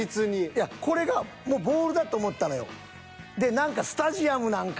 いやこれがもうボールだと思ったのよ。